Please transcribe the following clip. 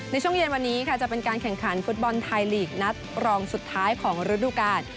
ในช่วงเย็นวันนี้ค่ะจะเป็นการแข่งขันฟุตบอลไทยลีกนัดรองสุดท้ายของฤดูกาล